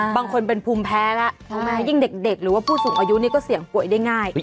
บางคนเป็นภูมิแพ้แล้วยิ่งเด็กหรือว่าผู้สูงอายุนี่ก็เสี่ยงป่วยได้ง่าย